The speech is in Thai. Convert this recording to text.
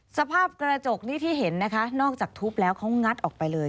สภาพกระจกนี้ที่เห็นนะคะนอกจากทุบแล้วเขางัดออกไปเลย